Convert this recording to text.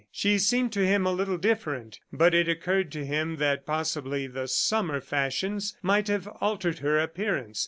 She seemed to him a little different, but it occurred to him that possibly the Summer fashions might have altered her appearance.